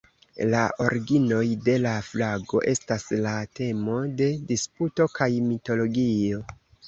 La originoj de la flago estas la temo de disputo kaj mitologio.